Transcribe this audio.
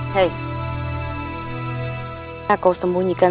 kamu menangkap pemburuan